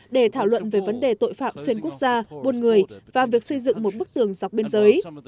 để thảo luận về vấn đề tội phạm xuyên quốc gia buôn người và việc xây dựng một bức tường dọc biên giới